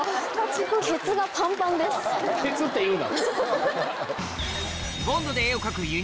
ケツって言うな。